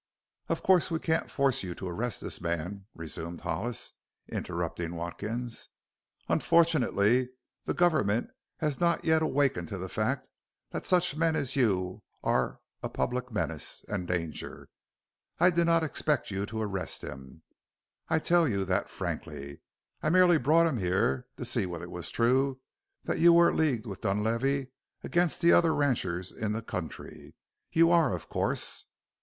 "Of course we can't force you to arrest this man," resumed Hollis, interrupting Watkins. "Unfortunately the government has not yet awakened to the fact that such men as you are a public menace and danger. I did not expect you to arrest him I tell you that frankly. I merely brought him here to see whether it were true that you were leagued with Dunlavey against the other ranchers in the country. You are, of course.